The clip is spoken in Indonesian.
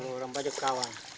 keluaran bajo kawan